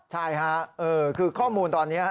ใช่ค่ะคือข้อมูลตอนนี้